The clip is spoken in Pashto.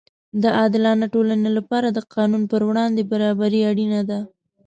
د عادلانه ټولنې لپاره د قانون پر وړاندې برابري اړینه ده.